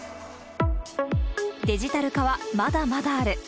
デジタル化はまだまだある。